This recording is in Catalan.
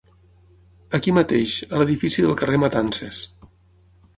Aquí mateix, a l'edifici del carrer Matances.